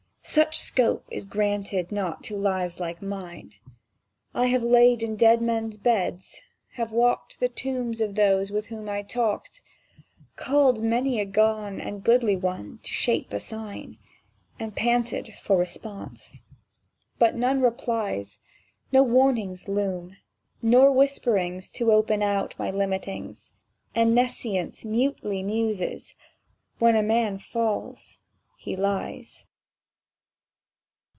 Such scope is granted not to lives like mine ... I have lain in dead men's beds, have walked The tombs of those with whom I'd talked, Called many a gone and goodly one to shape a sign, And panted for response. But none replies; No warnings loom, nor whisperings To open out my limitings, And Nescience mutely muses: When a man falls he lies.